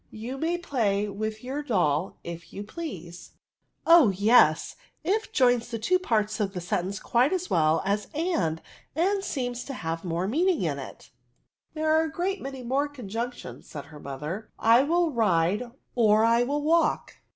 You may play with your doll if you please." '* Oh yes ; if joins the two parts of the sentence quite as well as and^ and seems to have more meaning in it." There are a great many more conjimc tions,'* said her mother: " I will ride or I will walk.